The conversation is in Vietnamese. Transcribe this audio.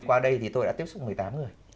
qua đây thì tôi đã tiếp xúc một mươi tám người